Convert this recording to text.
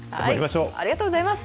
ありがとうございます。